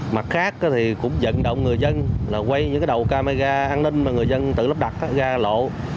mặt khác cũng dẫn động người dân quay những đầu camera an ninh mà người dân tự lắp đặt ra lộ